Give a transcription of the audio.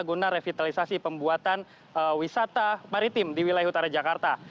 guna revitalisasi pembuatan wisata maritim di wilayah utara jakarta